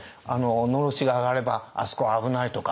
のろしが上がればあそこは危ないとか。